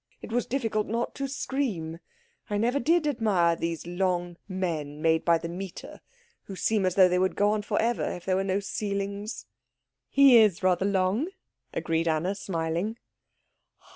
It was difficult not to scream. I never did admire those long men made by the meter, who seem as though they would go on for ever if there were no ceilings." "He is rather long," agreed Anna, smiling.